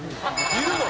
いるの？